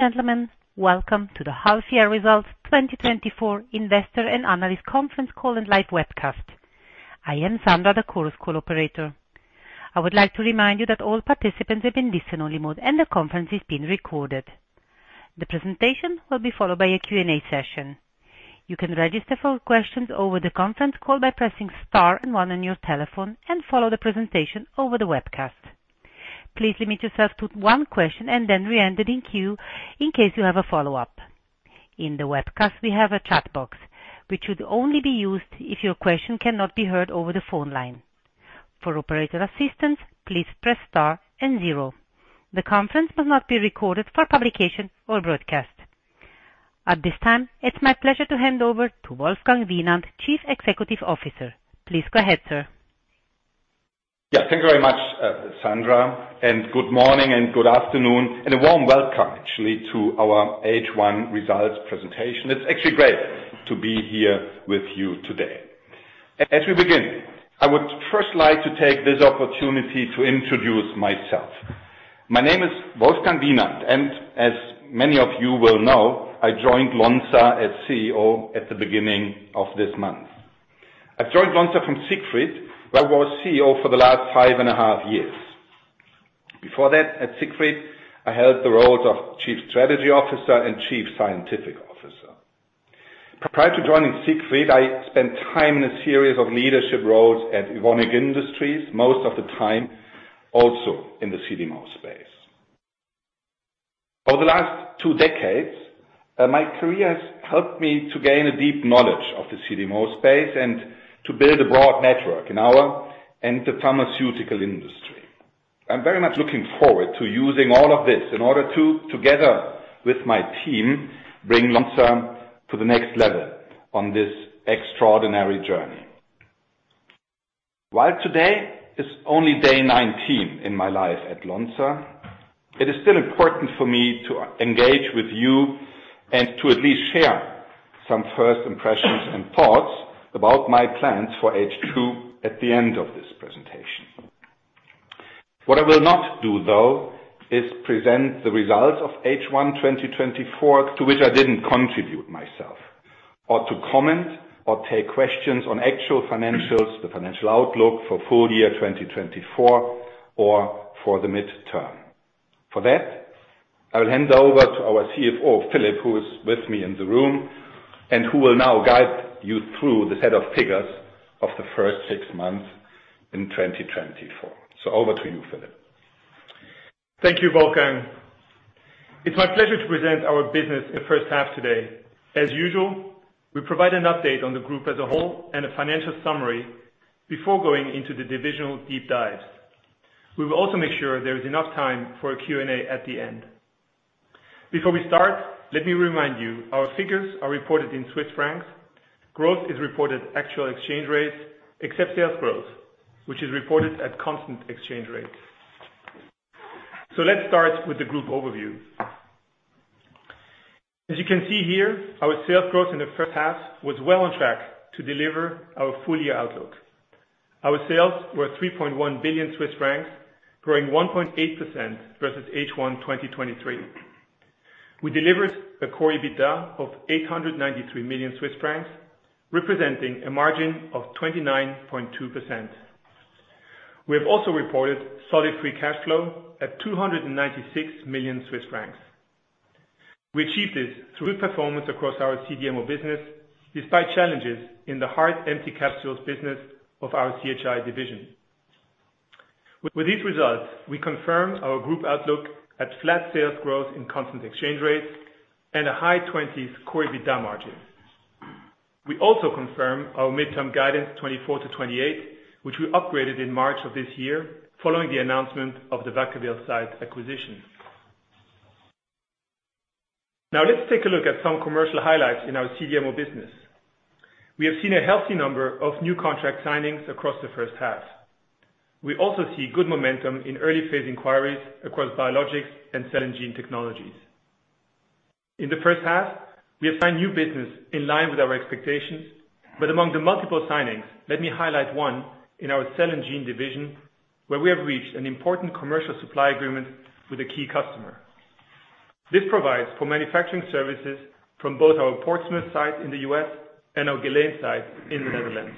Gentlemen, welcome to the Half-Year Results 2024 Investor and Analyst Conference Call and Live Webcast. I am Sandra, the Chorus Call operator. I would like to remind you that all participants have been placed in listen-only mode, and the conference is being recorded. The presentation will be followed by a Q&A session. You can register for questions over the conference call by pressing star and one on your telephone and follow the presentation over the webcast. Please limit yourself to one question and then re-enter the queue in case you have a follow-up. In the webcast, we have a chat box, which should only be used if your question cannot be heard over the phone line. For operator assistance, please press star and zero. The conference must not be recorded for publication or broadcast. At this time, it's my pleasure to hand over to Wolfgang Wienand, Chief Executive Officer. Please go ahead, sir. Yeah, thank you very much, Sandra, and good morning and good afternoon, and a warm welcome, actually, to our H1 results presentation. It's actually great to be here with you today. As we begin, I would first like to take this opportunity to introduce myself. My name is Wolfgang Wienand, and as many of you will know, I joined Lonza as CEO at the beginning of this month. I joined Lonza from Siegfried, where I was CEO for the last five and a half years. Before that, at Siegfried, I held the roles of Chief Strategy Officer and Chief Scientific Officer. Prior to joining Siegfried, I spent time in a series of leadership roles at Evonik Industries, most of the time also in the CDMO space. Over the last two decades, my career has helped me to gain a deep knowledge of the CDMO space and to build a broad network in our and the pharmaceutical industry. I'm very much looking forward to using all of this in order to, together with my team, bring Lonza to the next level on this extraordinary journey. While today is only day 19 in my life at Lonza, it is still important for me to engage with you and to at least share some first impressions and thoughts about my plans for H2 at the end of this presentation. What I will not do, though, is present the results of H1 2024, to which I didn't contribute myself, or to comment or take questions on actual financials, the financial outlook for full year 2024 or for the midterm. For that, I will hand over to our CFO, Philippe, who is with me in the room and who will now guide you through the set of figures of the first six months in 2024. So over to you, Philippe. Thank you, Wolfgang. It's my pleasure to present our business the first half today. As usual, we provide an update on the group as a whole and a financial summary before going into the divisional deep dives. We will also make sure there is enough time for a Q&A at the end. Before we start, let me remind you, our figures are reported in Swiss francs. Growth is reported actual exchange rates, except sales growth, which is reported at constant exchange rates. Let's start with the group overview. As you can see here, our sales growth in the first half was well on track to deliver our full-year outlook. Our sales were 3.1 billion Swiss francs, growing 1.8% versus H1 2023. We delivered a core EBITDA of 893 million Swiss francs, representing a margin of 29.2%. We have also reported solid free cash flow at 296 million Swiss francs. We achieved this through performance across our CDMO business, despite challenges in the hard empty capsules business of our CHI division. With these results, we confirm our group outlook at flat sales growth in constant exchange rates and a high 20s core EBITDA margins. We also confirm our midterm guidance, 24-28, which we upgraded in March of this year, following the announcement of the Vacaville site acquisition. Now, let's take a look at some commercial highlights in our CDMO business. We have seen a healthy number of new contract signings across the first half. We also see good momentum in early-phase inquiries across biologics and Cell & Gene Technologies. In the first half, we have signed new business in line with our expectations, but among the multiple signings, let me highlight one in our Cell & Gene division, where we have reached an important commercial supply agreement with a key customer. This provides for manufacturing services from both our Portsmouth site in the U.S. and our Geleen site in the Netherlands.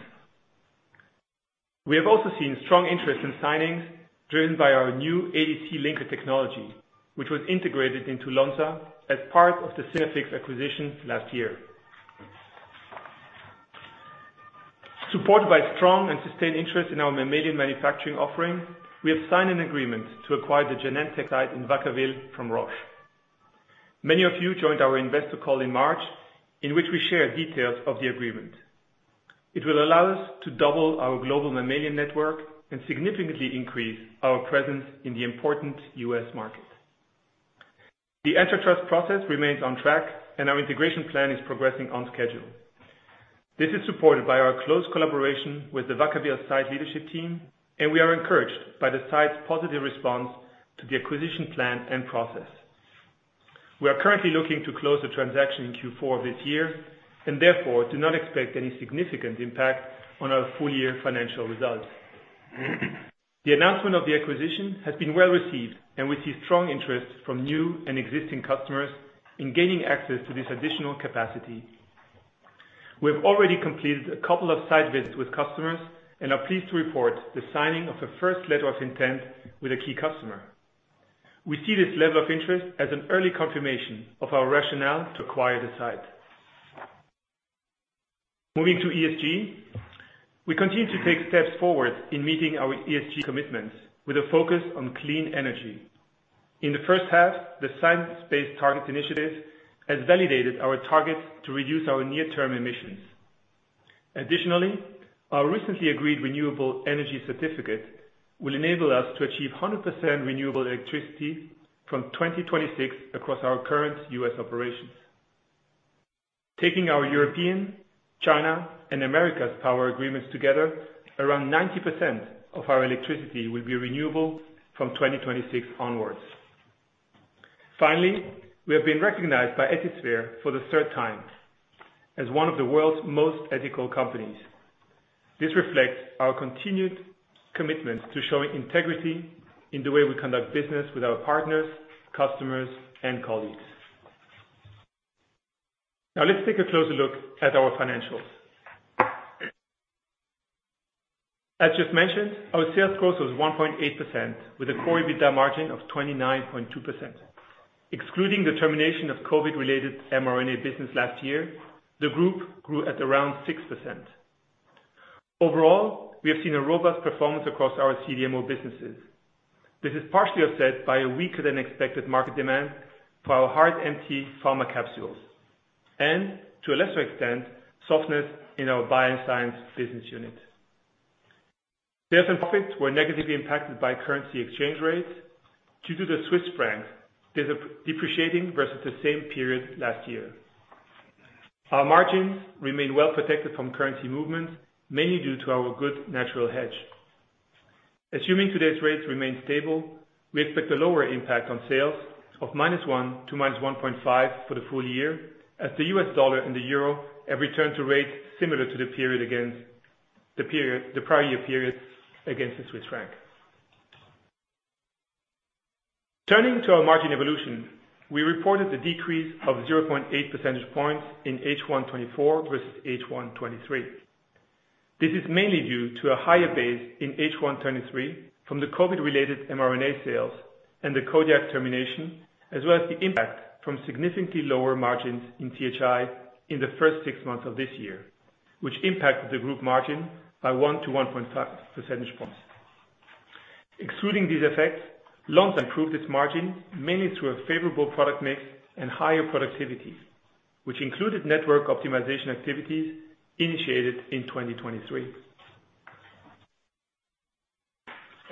We have also seen strong interest in signings driven by our new ADC linker technology, which was integrated into Lonza as part of the Synaffix acquisition last year. Supported by strong and sustained interest in our mammalian manufacturing offering, we have signed an agreement to acquire the Genentech site in Vacaville from Roche. Many of you joined our investor call in March, in which we shared details of the agreement. It will allow us to double our global mammalian network and significantly increase our presence in the important U.S. market. The antitrust process remains on track, and our integration plan is progressing on schedule. This is supported by our close collaboration with the Vacaville site leadership team, and we are encouraged by the site's positive response to the acquisition plan and process. We are currently looking to close the transaction in Q4 of this year, and therefore, do not expect any significant impact on our full-year financial results. The announcement of the acquisition has been well received, and we see strong interest from new and existing customers in gaining access to this additional capacity. We have already completed a couple of site visits with customers and are pleased to report the signing of a first letter of intent with a key customer. We see this level of interest as an early confirmation of our rationale to acquire the site. Moving to ESG, we continue to take steps forward in meeting our ESG commitments with a focus on clean energy. In the first half, the Science-Based Targets initiative has validated our targets to reduce our near-term emissions. Additionally, our recently agreed renewable energy certificate will enable us to achieve 100% renewable electricity from 2026 across our current U.S. operations. Taking our European, China, and Americas power agreements together, around 90% of our electricity will be renewable from 2026 onwards. Finally, we have been recognized by Ethisphere for the third time as one of the world's most ethical companies. This reflects our continued commitment to showing integrity in the way we conduct business with our partners, customers, and colleagues. Now let's take a closer look at our financials. As just mentioned, our sales growth was 1.8%, with a core EBITDA margin of 29.2%. Excluding the termination of COVID-related mRNA business last year, the group grew at around 6%. Overall, we have seen a robust performance across our CDMO businesses. This is partially offset by a weaker-than-expected market demand for our hard empty pharma capsules and, to a lesser extent, softness in our Bioscience business unit. Sales and profits were negatively impacted by currency exchange rates due to the Swiss franc depreciating versus the same period last year. Our margins remain well protected from currency movements, mainly due to our good natural hedge. Assuming today's rates remain stable, we expect a lower impact on sales of -1 to -1.5 for the full year, as the US dollar and the euro have returned to rates similar to the prior year period against the Swiss franc. Turning to our margin evolution, we reported a decrease of 0.8 percentage points in H1 2024 versus H1 2023. This is mainly due to a higher base in H1 2023 from the COVID-related mRNA sales and the Kodiak termination, as well as the impact from significantly lower margins in CHI in the first six months of this year, which impacted the group margin by 1.5 percentage points. Excluding these effects, Lonza improved its margin, mainly through a favorable product mix and higher productivity, which included network optimization activities initiated in 2023.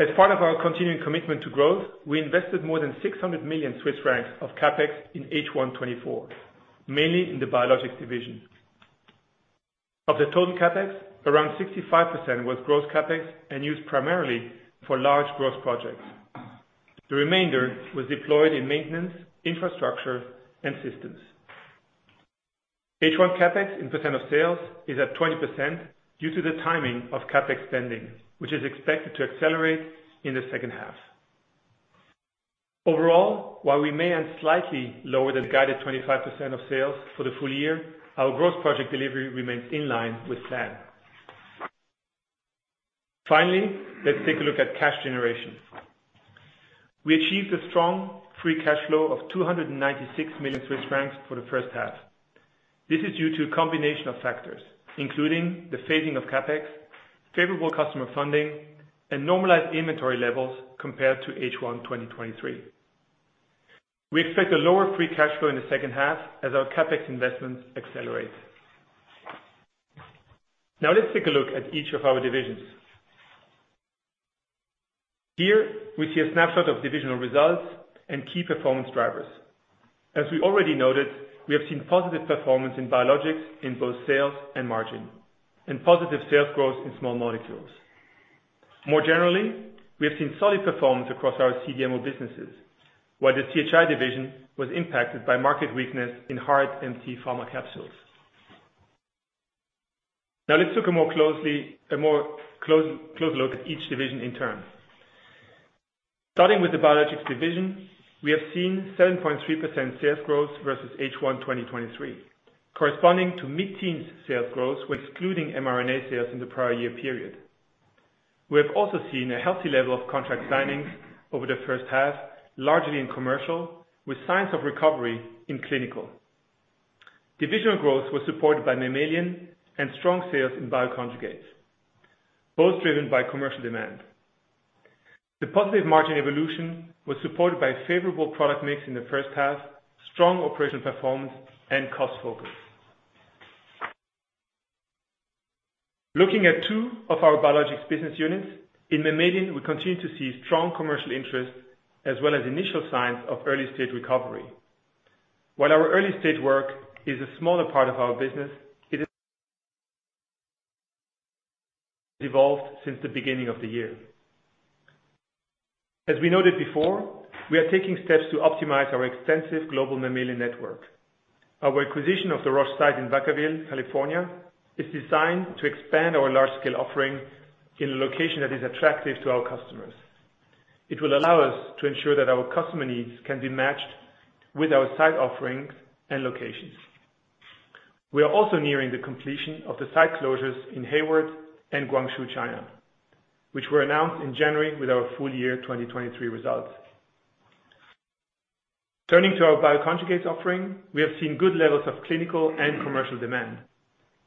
As part of our continuing commitment to growth, we invested more than 600 million Swiss francs of CapEx in H1 2024, mainly in the Biologics division. Of the total CapEx, around 65% was growth CapEx and used primarily for large growth projects. The remainder was deployed in maintenance, infrastructure, and systems. H1 CapEx in percent of sales is at 20% due to the timing of CapEx spending, which is expected to accelerate in the second half. Overall, while we may end slightly lower than guided 25% of sales for the full year, our growth project delivery remains in line with plan. Finally, let's take a look at cash generation. We achieved a strong free cash flow of 296 million Swiss francs for the first half. This is due to a combination of factors, including the phasing of CapEx, favorable customer funding, and normalized inventory levels compared to H1 2023. We expect a lower free cash flow in the second half as our CapEx investments accelerate. Now let's take a look at each of our divisions. Here, we see a snapshot of divisional results and key performance drivers. As we already noted, we have seen positive performance in biologics in both sales and margin, and positive sales growth in small molecules. More generally, we have seen solid performance across our CDMO businesses, while the THI division was impacted by market weakness in hard empty pharma capsules. Now let's look more closely at each division in turn. Starting with the Biologics division, we have seen 7.3% sales growth versus H1 2023, corresponding to mid-teens sales growth, excluding mRNA sales in the prior year period. We have also seen a healthy level of contract signings over the first half, largely in commercial, with signs of recovery in clinical. Divisional growth was supported by Mammalian and strong sales in Bioconjugates, both driven by commercial demand. The positive margin evolution was supported by favorable product mix in the first half, strong operational performance, and cost focus. Looking at two of our Biologics business units, in Mammalian, we continue to see strong commercial interest as well as initial signs of early-stage recovery. While our early-stage work is a smaller part of our business, it has evolved since the beginning of the year. ... As we noted before, we are taking steps to optimize our extensive global Mammalian network. Our acquisition of the Roche site in Vacaville, California, is designed to expand our large-scale offering in a location that is attractive to our customers. It will allow us to ensure that our customer needs can be matched with our site offerings and locations. We are also nearing the completion of the site closures in Hayward and Guangzhou, China, which were announced in January with our full year 2023 results. Turning to our Bioconjugates offering, we have seen good levels of clinical and commercial demand.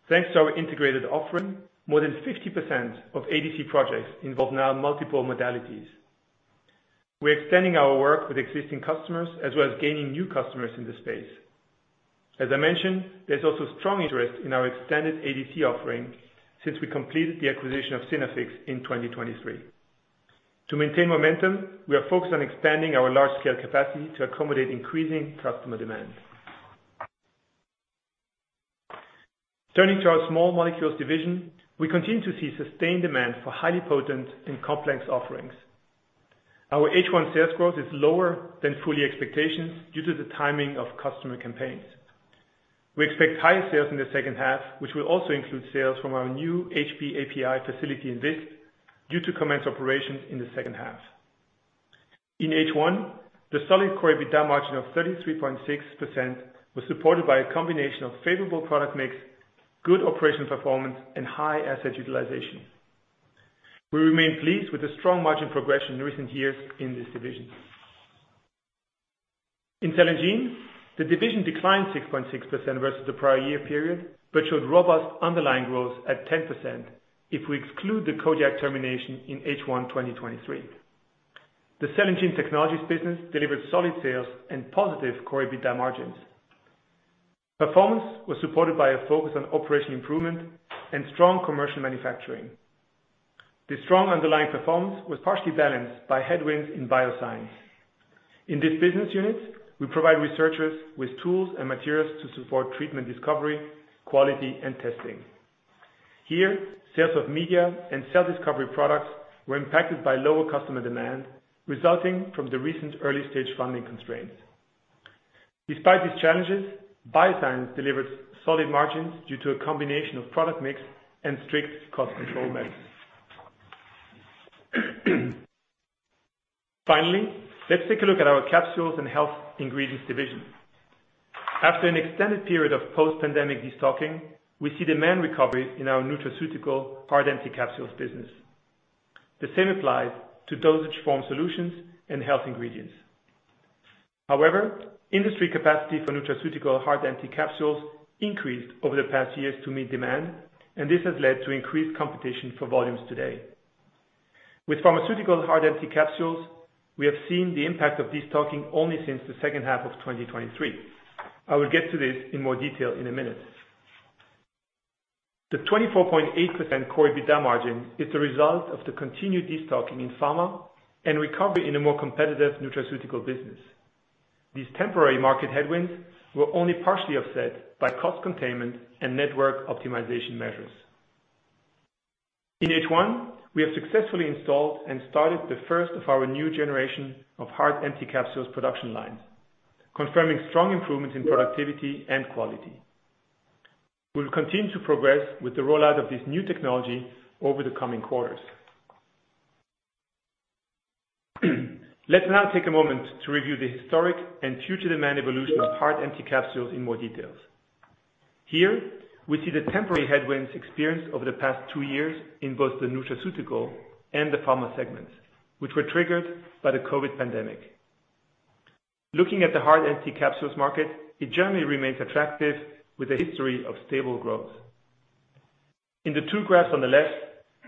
Thanks to our integrated offering, more than 50% of ADC projects involve now multiple modalities. We're extending our work with existing customers, as well as gaining new customers in the space. As I mentioned, there's also strong interest in our extended ADC offering since we completed the acquisition of Synaffix in 2023. To maintain momentum, we are focused on expanding our large-scale capacity to accommodate increasing customer demand. Turning to our Small Molecules division, we continue to see sustained demand for highly potent and complex offerings. Our H1 sales growth is lower than full expectations due to the timing of customer campaigns. We expect higher sales in the second half, which will also include sales from our new HPAPI facility in Visp, due to commence operations in the second half. In H1, the solid core EBITDA margin of 33.6% was supported by a combination of favorable product mix, good operational performance, and high asset utilization. We remain pleased with the strong margin progression in recent years in this division. In Cell & Gene, the division declined 6.6% versus the prior year period, but showed robust underlying growth at 10% if we exclude the Kodiak termination in H1, 2023. The Cell & Gene Technologies business delivered solid sales and positive core EBITDA margins. Performance was supported by a focus on operational improvement and strong commercial manufacturing. This strong underlying performance was partially balanced by headwinds in Bioscience. In this business unit, we provide researchers with tools and materials to support treatment discovery, quality, and testing. Here, sales of media and cell discovery products were impacted by lower customer demand, resulting from the recent early-stage funding constraints. Despite these challenges, Bioscience delivered solid margins due to a combination of product mix and strict cost control measures. Finally, let's take a look at our Capsules & Health Ingredients division. After an extended period of post-pandemic destocking, we see demand recovery in our nutraceutical hard empty capsules business. The same applies to dosage form solutions and health ingredients. However, industry capacity for nutraceutical hard empty capsules increased over the past years to meet demand, and this has led to increased competition for volumes today. With pharmaceutical hard empty capsules, we have seen the impact of destocking only since the second half of 2023. I will get to this in more detail in a minute. The 24.8% core EBITDA margin is the result of the continued destocking in pharma and recovery in a more competitive nutraceutical business. These temporary market headwinds were only partially offset by cost containment and network optimization measures. In H1, we have successfully installed and started the first of our new generation of hard empty capsules production lines, confirming strong improvements in productivity and quality. We will continue to progress with the rollout of this new technology over the coming quarters. Let's now take a moment to review the historic and future demand evolution of hard empty capsules in more details. Here, we see the temporary headwinds experienced over the past two years in both the nutraceutical and the pharma segments, which were triggered by the COVID pandemic. Looking at the hard empty capsules market, it generally remains attractive, with a history of stable growth. In the two graphs on the left,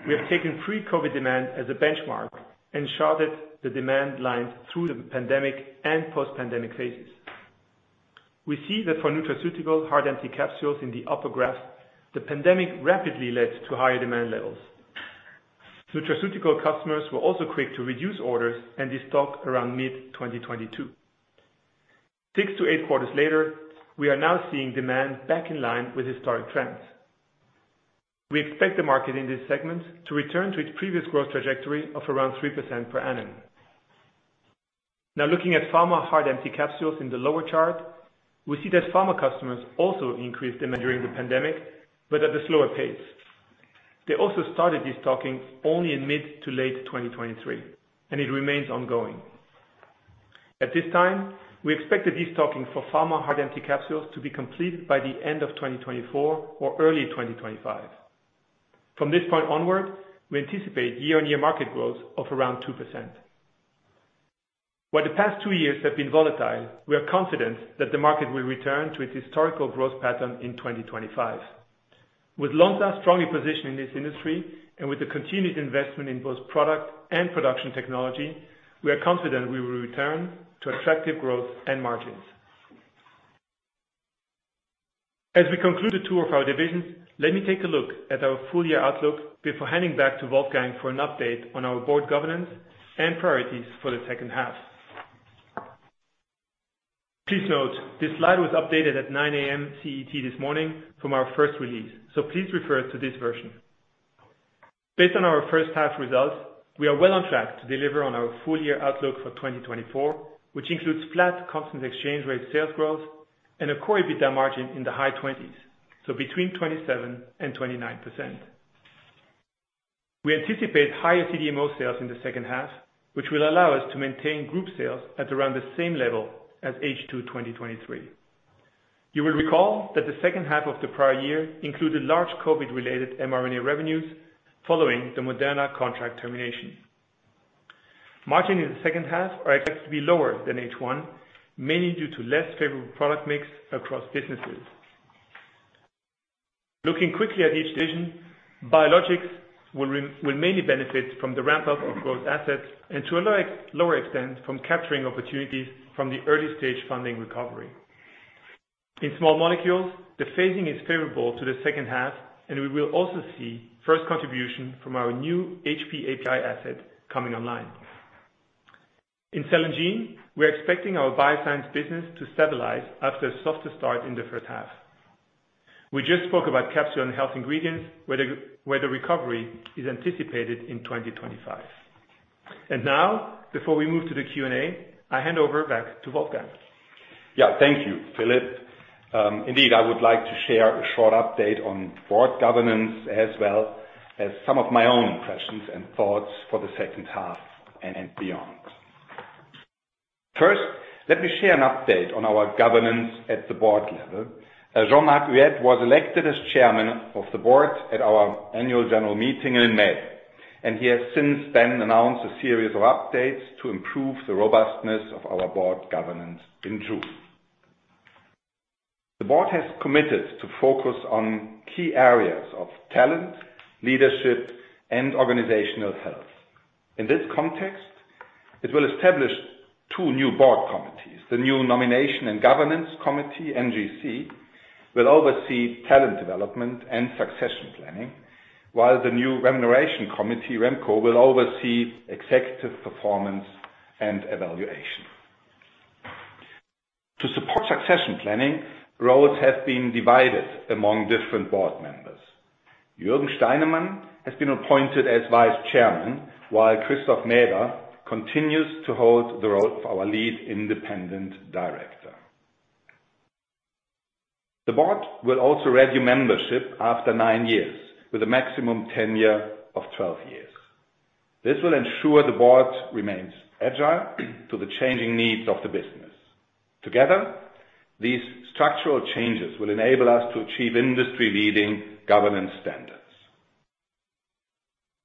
we have taken pre-COVID demand as a benchmark and charted the demand lines through the pandemic and post-pandemic phases. We see that for nutraceutical hard empty capsules in the upper graph, the pandemic rapidly led to higher demand levels. Nutraceutical customers were also quick to reduce orders and destock around mid-2022. 6-8 quarters later, we are now seeing demand back in line with historic trends. We expect the market in this segment to return to its previous growth trajectory of around 3% per annum. Now, looking at pharma hard empty capsules in the lower chart, we see that pharma customers also increased demand during the pandemic, but at a slower pace. They also started destocking only in mid- to late 2023, and it remains ongoing. At this time, we expect the destocking for pharma hard empty capsules to be completed by the end of 2024 or early 2025. From this point onward, we anticipate year-on-year market growth of around 2%. While the past two years have been volatile, we are confident that the market will return to its historical growth pattern in 2025. With Lonza strongly positioned in this industry, and with the continued investment in both product and production technology, we are confident we will return to attractive growth and margins. As we conclude the tour of our divisions, let me take a look at our full-year outlook before handing back to Wolfgang for an update on our board governance and priorities for the second half. Please note, this slide was updated at 9:00 A.M. CET this morning from our first release, so please refer to this version. Based on our first half results, we are well on track to deliver on our full year outlook for 2024, which includes flat constant exchange rate sales growth and a core EBITDA margin in the high 20s, so between 27% and 29%. We anticipate higher CDMO sales in the second half, which will allow us to maintain group sales at around the same level as H2 2023. You will recall that the second half of the prior year included large COVID-related mRNA revenues following the Moderna contract termination. Margin in the second half are expected to be lower than H1, mainly due to less favorable product mix across businesses. Looking quickly at each division, biologics will mainly benefit from the ramp-up of growth assets and to a lower extent, from capturing opportunities from the early-stage funding recovery. In Small Molecules, the phasing is favorable to the second half, and we will also see first contribution from our new HPAPI asset coming online. In Cell & Gene, we are expecting our Bioscience business to stabilize after a softer start in the first half. We just spoke about Capsules & Health Ingredients, where the recovery is anticipated in 2025. Now, before we move to the Q&A, I hand over back to Wolfgang. Yeah, thank you, Philippe. Indeed, I would like to share a short update on board governance, as well as some of my own questions and thoughts for the second half and beyond. First, let me share an update on our governance at the board level. Jean-Marc Huët was elected as Chairman of the Board at our annual general meeting in May, and he has since then announced a series of updates to improve the robustness of our board governance in June. The board has committed to focus on key areas of talent, leadership, and organizational health. In this context, it will establish two new board committees. The new nomination and governance committee, NGC, will oversee talent development and succession planning, while the new remuneration committee, RemCo, will oversee executive performance and evaluation. To support succession planning, roles have been divided among different board members. Jürgen Steinemann has been appointed as Vice Chairman, while Christoph Mäder continues to hold the role of our Lead Independent Director. The board will also raise your membership after nine years, with a maximum tenure of twelve years. This will ensure the board remains agile to the changing needs of the business. Together, these structural changes will enable us to achieve industry-leading governance standards.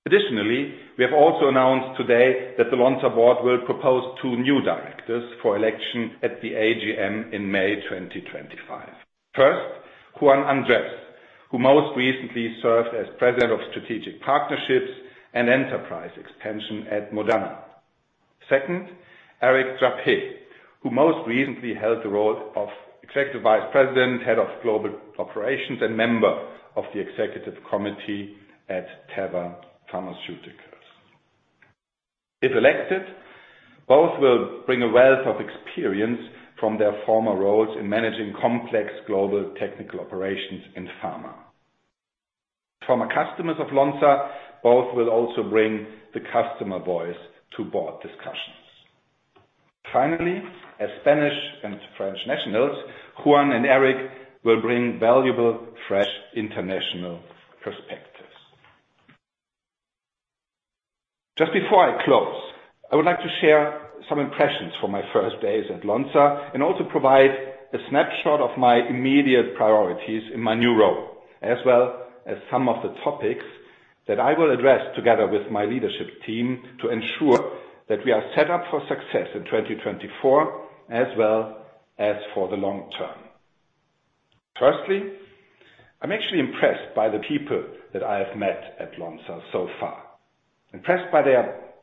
Additionally, we have also announced today that the Lonza board will propose two new directors for election at the AGM in May 2025. First, Juan Andres, who most recently served as President of Strategic Partnerships and Enterprise Extension at Moderna. Second, Eric Drapé, who most recently held the role of Executive Vice President, Head of Global Operations, and member of the Executive Committee at Teva Pharmaceuticals. If elected, both will bring a wealth of experience from their former roles in managing complex global technical operations in pharma. Former customers of Lonza, both will also bring the customer voice to board discussions. Finally, as Spanish and French nationals, Juan and Eric will bring valuable, fresh, international perspectives. Just before I close, I would like to share some impressions from my first days at Lonza, and also provide a snapshot of my immediate priorities in my new role, as well as some of the topics that I will address together with my leadership team, to ensure that we are set up for success in 2024, as well as for the long term. Firstly, I'm actually impressed by the people that I have met at Lonza so far. Impressed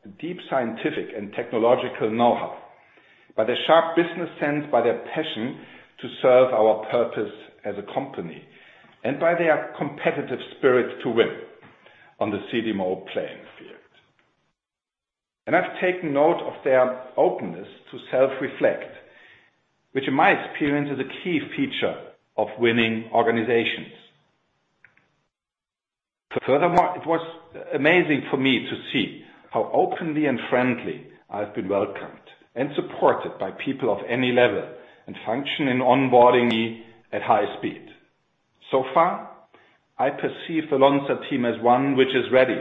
by their deep scientific and technological know-how, by their sharp business sense, by their passion to serve our purpose as a company, and by their competitive spirit to win on the CDMO playing field. I've taken note of their openness to self-reflect, which in my experience, is a key feature of winning organizations. Furthermore, it was amazing for me to see how openly and friendly I've been welcomed and supported by people of any level and function in onboarding me at high speed. So far, I perceive the Lonza team as one which is ready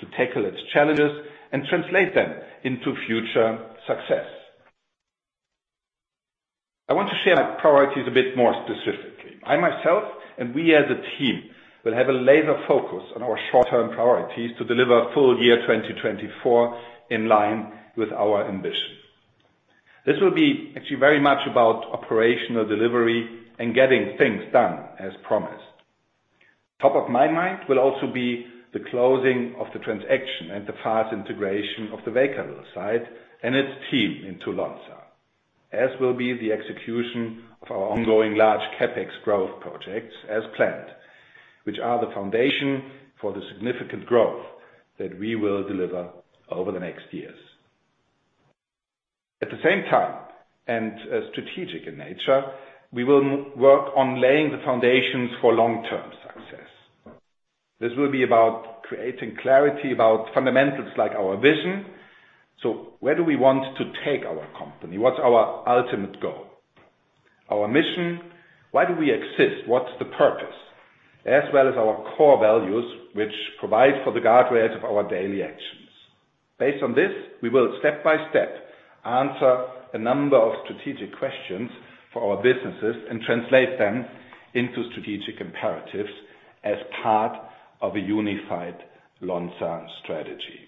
to tackle its challenges and translate them into future success. I want to share my priorities a bit more specifically. I, myself, and we as a team, will have a laser focus on our short-term priorities to deliver full year 2024 in line with our ambition. This will be actually very much about operational delivery and getting things done as promised. Top of my mind will also be the closing of the transaction and the fast integration of the Vacaville site and its team into Lonza, as will be the execution of our ongoing large CapEx growth projects as planned, which are the foundation for the significant growth that we will deliver over the next years. At the same time, and, strategic in nature, we will work on laying the foundations for long-term success. This will be about creating clarity about fundamentals like our vision. So where do we want to take our company? What's our ultimate goal? Our mission, why do we exist? What's the purpose? As well as our core values, which provide for the guardrails of our daily actions. Based on this, we will step by step, answer a number of strategic questions for our businesses and translate them into strategic imperatives as part of a unified Lonza strategy.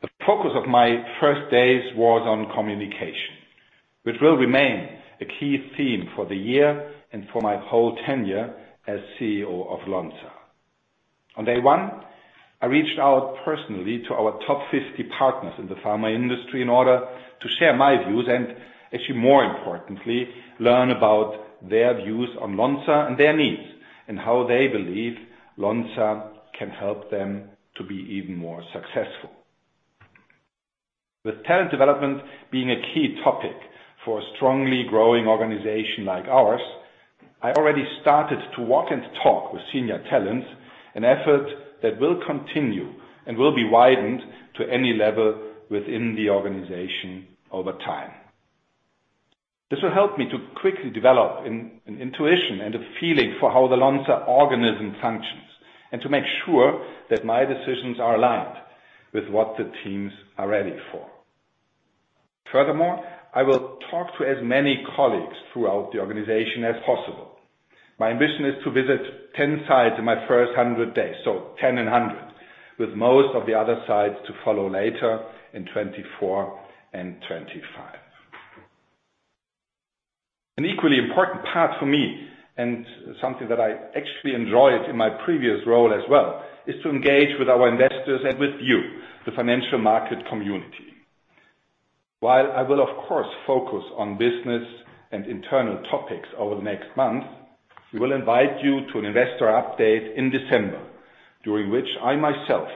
The focus of my first days was on communication, which will remain a key theme for the year and for my whole tenure as CEO of Lonza. On day one, I reached out personally to our top 50 partners in the pharma industry in order to share my views, and actually, more importantly, learn about their views on Lonza and their needs, and how they believe Lonza can help them to be even more successful. With talent development being a key topic for a strongly growing organization like ours, I already started to walk and talk with senior talent, an effort that will continue and will be widened to any level within the organization over time. This will help me to quickly develop an intuition and a feeling for how the Lonza organism functions, and to make sure that my decisions are aligned with what the teams are ready for. Furthermore, I will talk to as many colleagues throughout the organization as possible. My ambition is to visit 10 sites in my first 100 days, so 10 and 100, with most of the other sites to follow later in 2024 and 2025. An equally important part for me, and something that I actually enjoyed in my previous role as well, is to engage with our investors and with you, the financial market community. While I will, of course, focus on business and internal topics over the next month, we will invite you to an investor update in December, during which I, myself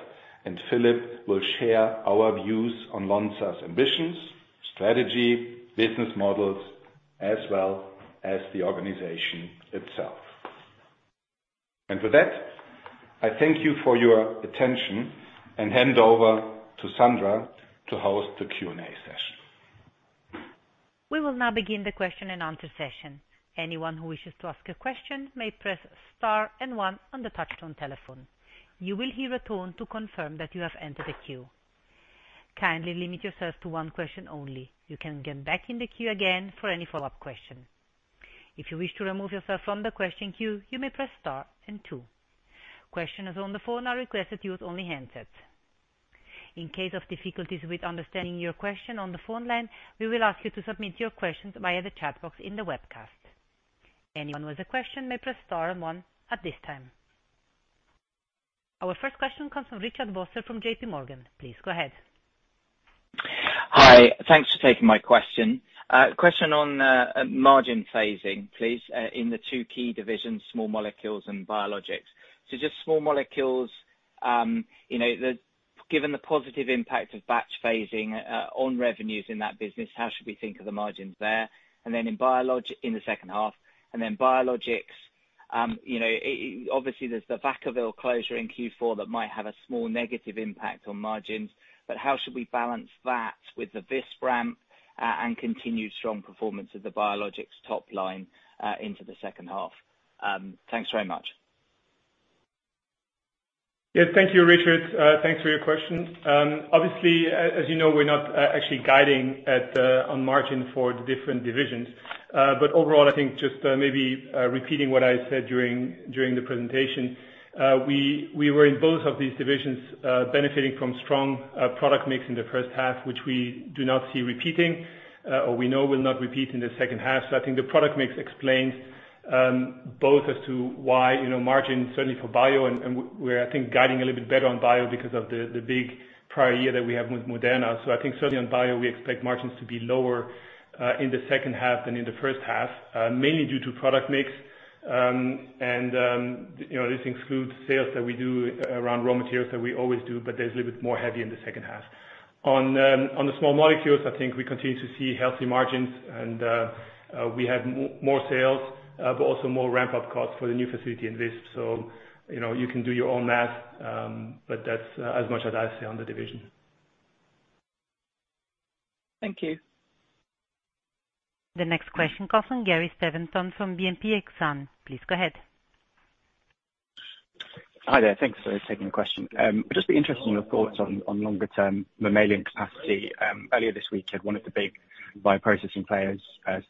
and Philippe will share our views on Lonza's ambitions, strategy, business models, as well as the organization itself. With that, I thank you for your attention and hand over to Sandra to host the Q&A session. We will now begin the question and answer session. Anyone who wishes to ask a question may press star and one on the touchtone telephone. You will hear a tone to confirm that you have entered the queue. Kindly limit yourself to one question only. You can get back in the queue again for any follow-up question. If you wish to remove yourself from the question queue, you may press star and two. Questioners on the phone are requested to use only handsets. In case of difficulties with understanding your question on the phone line, we will ask you to submit your questions via the chat box in the webcast. Anyone with a question may press star and one at this time. Our first question comes from Richard Vosser from JPMorgan. Please go ahead. Hi, thanks for taking my question. Question on margin phasing, please, in the two key divisions, Small Molecules and Biologics. So just Small Molecules, you know, the-- given the positive impact of batch phasing on revenues in that business, how should we think of the margins there? And then in biologics in the second half, and then Biologics, you know, obviously, there's the Vacaville closure in Q4 that might have a small negative impact on margins, but how should we balance that with the Visp ramp, and continued strong performance of the Biologics top line, into the second half? Thanks very much. Yes, thank you, Richard. Thanks for your question. Obviously, as you know, we're not actually guiding on margin for the different divisions. But overall, I think just maybe repeating what I said during the presentation, we were in both of these divisions benefiting from strong product mix in the first half, which we do not see repeating or we know will not repeat in the second half. So I think the product mix explains both as to why, you know, margin, certainly for bio, and we're, I think, guiding a little bit better on bio because of the big prior year that we have with Moderna. So I think certainly on bio, we expect margins to be lower in the second half than in the first half, mainly due to product mix. And you know, this includes sales that we do around raw materials that we always do, but there's a little bit more heavy in the second half. On the small molecules, I think we continue to see healthy margins, and we have more sales, but also more ramp-up costs for the new facility in Visp. So you know, you can do your own math, but that's as much as I see on the division. Thank you. The next question comes from Gary Steventon, from BNP Exane. Please go ahead. Hi there. Thanks for taking the question. I'd just be interested in your thoughts on longer-term mammalian capacity. Earlier this week, one of the big bioprocessing players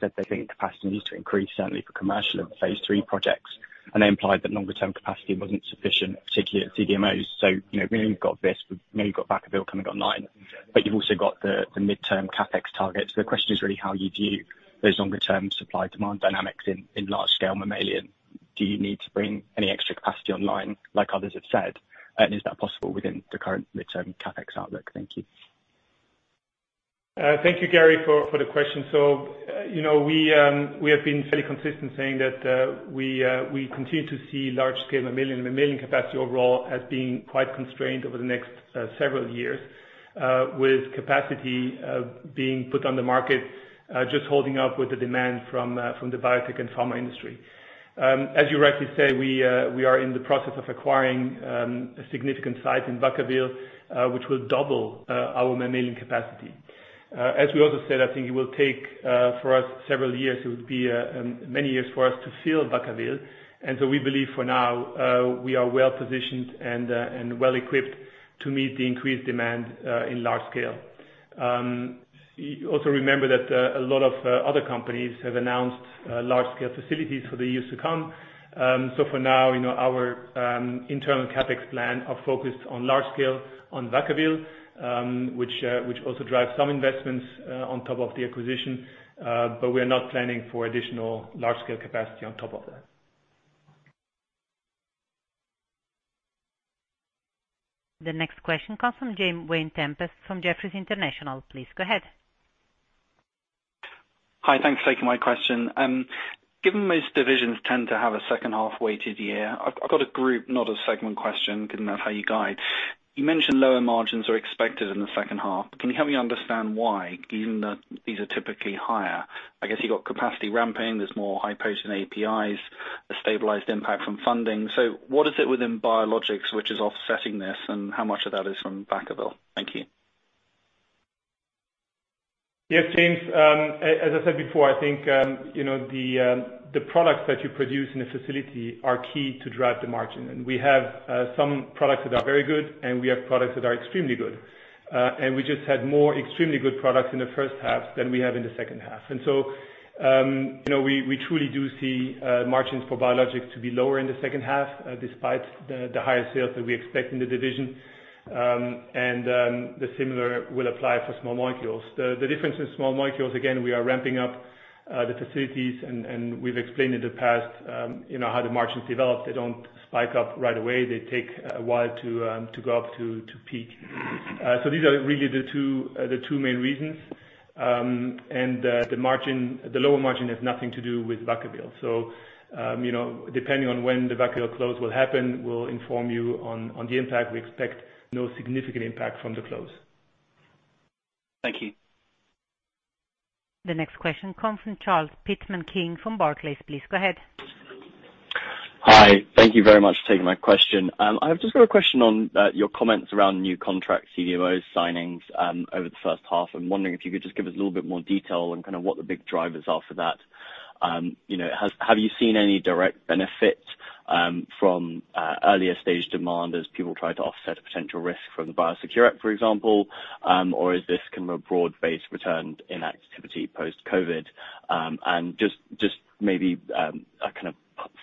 said they think capacity needs to increase, certainly for commercial and phase III projects, and they implied that longer-term capacity wasn't sufficient, particularly at CDMOs. So, you know, we've got this, we've maybe got Vacaville coming online, but you've also got the midterm CapEx targets. The question is really how you view those longer-term supply-demand dynamics in large-scale mammalian. Do you need to bring any extra capacity online, like others have said, and is that possible within the current midterm CapEx outlook? Thank you. Thank you, Gary, for the question. So, you know, we have been fairly consistent saying that we continue to see large-scale mammalian capacity overall as being quite constrained over the next several years, with capacity being put on the market just holding up with the demand from the biotech and pharma industry. As you rightly say, we are in the process of acquiring a significant site in Vacaville, which will double our mammalian capacity. As we also said, I think it will take for us several years. It will be many years for us to fill Vacaville, and so we believe for now we are well-positioned and well-equipped to meet the increased demand in large scale. Also remember that a lot of other companies have announced large-scale facilities for the years to come. So for now, you know, our internal CapEx plan are focused on large-scale on Vacaville, which also drives some investments on top of the acquisition. But we are not planning for additional large-scale capacity on top of that. The next question comes from James Vane-Tempest from Jefferies International. Please go ahead. Hi, thanks for taking my question. Given most divisions tend to have a second half weighted year, I've got a group, not a segment question, given that's how you guide. You mentioned lower margins are expected in the second half. Can you help me understand why, given that these are typically higher? I guess you've got capacity ramping, there's more highly potent APIs, a stabilized impact from funding. So what is it within biologics which is offsetting this, and how much of that is from Vacaville? Thank you. Yes, James. As I said before, I think, you know, the products that you produce in a facility are key to drive the margin. And we have some products that are very good, and we have products that are extremely good. And we just had more extremely good products in the first half than we have in the second half. And so, you know, we truly do see margins for biologics to be lower in the second half, despite the higher sales that we expect in the division. And the similar will apply for small molecules. The difference with small molecules, again, we are ramping up the facilities and we've explained in the past, you know, how the margins develop. They don't spike up right away. They take a while to go up to peak. So these are really the two main reasons. And the margin... The lower margin has nothing to do with Vacaville. So, you know, depending on when the Vacaville close will happen, we'll inform you on the impact. We expect no significant impact from the close. Thank you. The next question comes from Charles Pitman-King from Barclays. Please go ahead. Hi. Thank you very much for taking my question. I've just got a question on your comments around new contract CDMO signings over the first half. I'm wondering if you could just give us a little bit more detail on kind of what the big drivers are for that. You know, have you seen any direct benefit from earlier stage demand as people try to offset a potential risk from the BioSecure, for example? Or is this kind of a broad-based return in activity post-COVID? And just maybe a kind of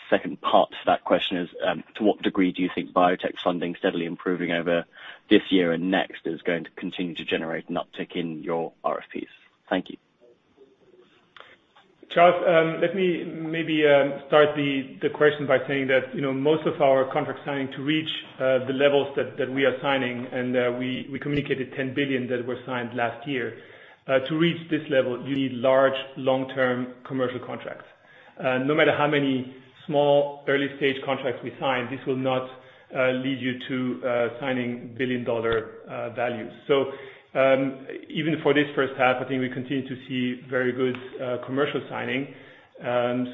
second part to that question is to what degree do you think biotech funding steadily improving over this year and next is going to continue to generate an uptick in your RFPs? Thank you. Charles, let me maybe start the question by saying that, you know, most of our contract signing to reach the levels that we are signing and we communicated 10 billion that were signed last year. To reach this level, you need large, long-term commercial contracts. No matter how many small, early-stage contracts we sign, this will not lead you to signing billion-dollar values. So, even for this first half, I think we continue to see very good commercial signing.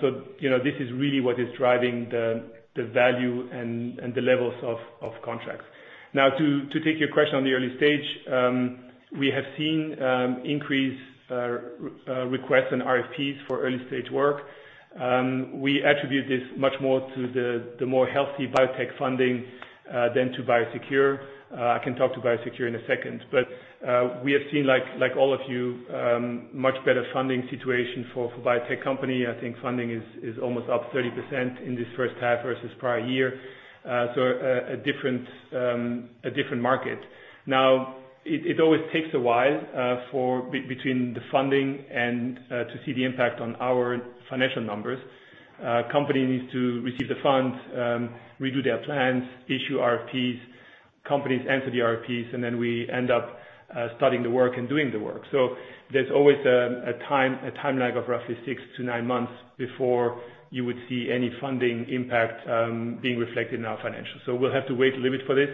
So you know, this is really what is driving the value and the levels of contracts. Now, to take your question on the early stage, we have seen increased requests and RFPs for early-stage work. We attribute this much more to the more healthy biotech funding than to BioSecure. I can talk to BioSecure in a second, but we have seen, like all of you, much better funding situation for biotech company. I think funding is almost up 30% in this first half versus prior year. So, a different market. Now, it always takes a while for between the funding and to see the impact on our financial numbers. Company needs to receive the funds, redo their plans, issue RFPs, companies enter the RFPs, and then we end up starting the work and doing the work. So there's always a time lag of roughly six to nine months before you would see any funding impact being reflected in our financials. So we'll have to wait a little bit for this.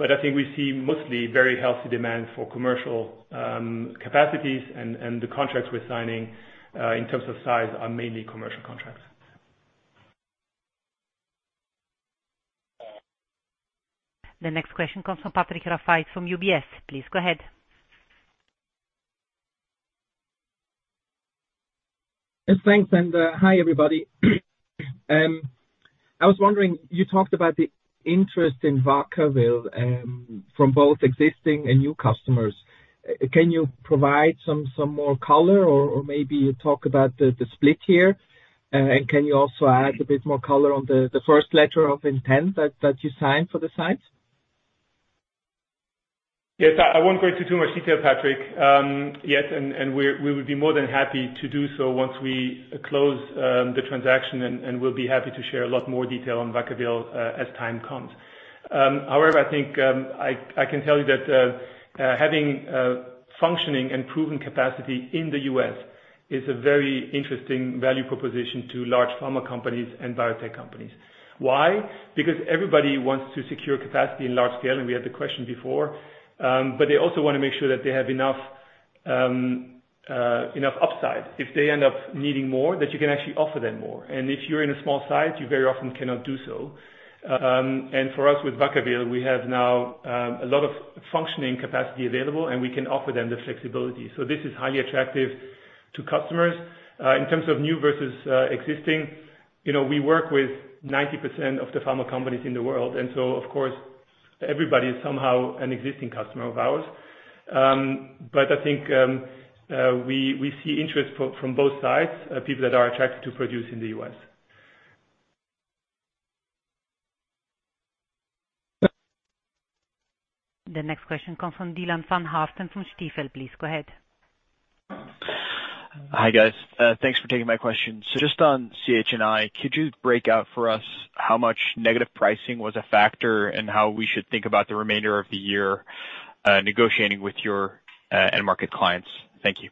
But I think we see mostly very healthy demand for commercial capacities, and the contracts we're signing in terms of size are mainly commercial contracts. The next question comes from Patrick Rafaisz from UBS. Please go ahead. Thanks, and hi, everybody. I was wondering, you talked about the interest in Vacaville from both existing and new customers. Can you provide some more color or maybe talk about the split here? And can you also add a bit more color on the first letter of intent that you signed for the site? ... Yes, I won't go into too much detail, Patrick, yet, and we would be more than happy to do so once we close the transaction, and we'll be happy to share a lot more detail on Vacaville, as time comes. However, I think, I can tell you that, having functioning and proven capacity in the U.S. is a very interesting value proposition to large pharma companies and biotech companies. Why? Because everybody wants to secure capacity in large scale, and we had the question before. But they also wanna make sure that they have enough enough upside. If they end up needing more, that you can actually offer them more, and if you're in a small site, you very often cannot do so. For us, with Vacaville, we have now a lot of functioning capacity available, and we can offer them the flexibility. This is highly attractive to customers. In terms of new versus existing, you know, we work with 90% of the pharma companies in the world, and so of course, everybody is somehow an existing customer of ours. But I think we see interest from both sides, people that are attracted to produce in the U.S. The next question comes from Dylan Van Haaften from Stifel. Please, go ahead. Hi, guys. Thanks for taking my question. So just on CHI, could you break out for us how much negative pricing was a factor, and how we should think about the remainder of the year, negotiating with your end market clients? Thank you.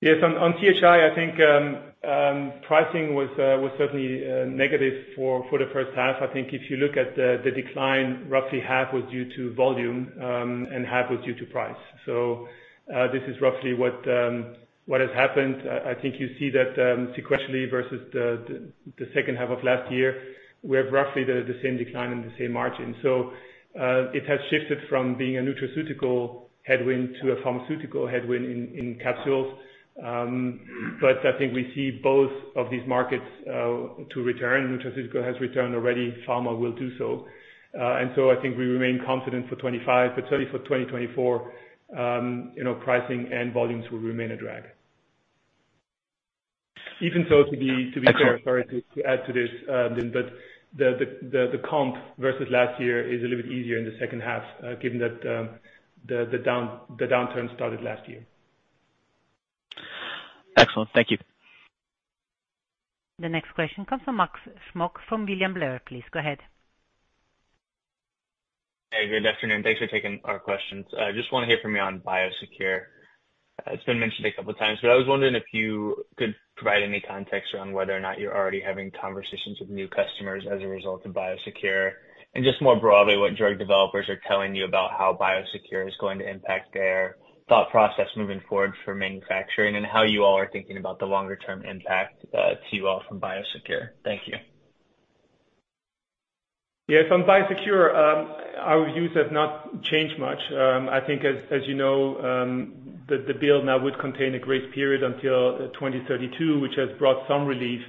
Yes, on CHI, I think pricing was certainly negative for the first half. I think if you look at the decline, roughly half was due to volume, and half was due to price. So, this is roughly what has happened. I think you see that, sequentially versus the second half of last year, we have roughly the same decline in the same margin. So, it has shifted from being a nutraceutical headwind to a pharmaceutical headwind in capsules. But I think we see both of these markets to return. Nutraceutical has returned already, pharma will do so. And so I think we remain confident for 2025, but certainly for 2024, you know, pricing and volumes will remain a drag. Even so, to be fair- Excellent. Sorry, to add to this, but the comp versus last year is a little bit easier in the second half, given that the downturn started last year. Excellent. Thank you. The next question comes from Max Smock, from William Blair. Please, go ahead. Hey, good afternoon. Thanks for taking our questions. I just wanna hear from you on BioSecure. It's been mentioned a couple of times, but I was wondering if you could provide any context around whether or not you're already having conversations with new customers as a result of BioSecure. And just more broadly, what drug developers are telling you about how BioSecure is going to impact their thought process moving forward for manufacturing, and how you all are thinking about the longer term impact to you all from BioSecure. Thank you. Yes, on BioSecure, our view has not changed much. I think as you know, the bill now would contain a grace period until 2032, which has brought some relief